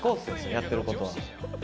やっていること。